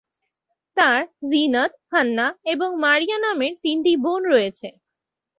তার জিনাত, হান্নাহ এবং মারিয়া নামের তিনটি বোন রয়েছে।